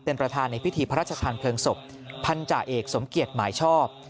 เป็นประธานในพิธีพระราชทานเพลิงศพพันธาเอกสมเกียจหมายชอบ